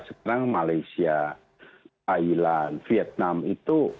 sekarang malaysia thailand vietnam itu